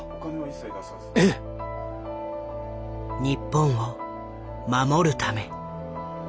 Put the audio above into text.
「日本を守るため」。